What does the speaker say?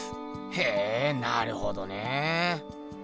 へぇなるほどねえ。